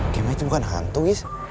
gema itu bukan hantu giz